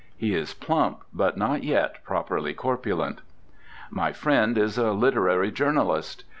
He is plump, but not yet properly corpulent. My friend is a literary journalist.